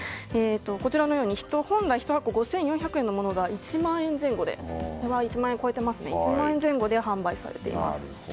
こちらのように本来１箱５４００円のものが１万円前後で販売されています。